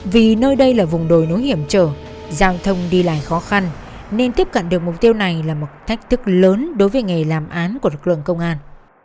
vì nơi đây là vùng đồi núi hiểm trở giao thông đi lại khó khăn nên tiếp cận được mục tiêu này là một thách thức lớn đối với nghề làm án của lực lượng công an